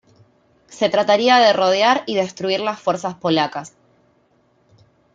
Se trataría de rodear y destruir las fuerzas polacas.